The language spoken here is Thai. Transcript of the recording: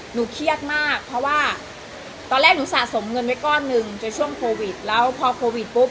เครียดมากเพราะว่าตอนแรกหนูสะสมเงินไว้ก้อนหนึ่งในช่วงโควิดแล้วพอโควิดปุ๊บ